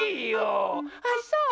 あっそう？